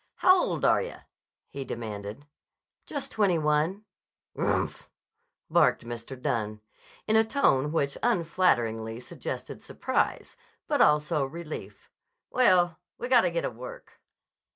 "How old are yah?" he demanded. "Just twenty one." "Grmph!" barked Mr. Dunne, in a tone which unflatteringly suggested surprise, but also relief. "Well we gotta getta work."